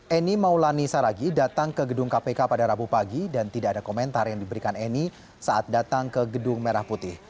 eni maulani saragi datang ke gedung kpk pada rabu pagi dan tidak ada komentar yang diberikan eni saat datang ke gedung merah putih